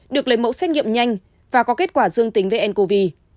được lấy mẫu xét nghiệm nhanh và có kết quả dương tính với ncov